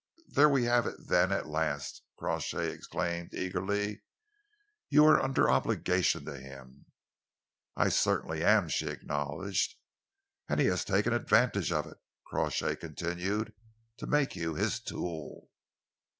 "There we have it then at last!" Crawshay exclaimed eagerly. "You are under obligations to him." "I certainly am," she acknowledged. "And he has taken advantage of it," Crawshay continued, "to make you his tool."